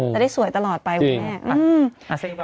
จะได้สวยตลอดไปคุณแม่